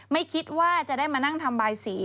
ไม่คิดว่าจะได้มานั่งทำบายสี